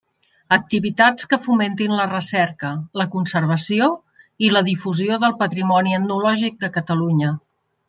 Activitats que fomentin la recerca, la conservació i la difusió del patrimoni etnològic de Catalunya.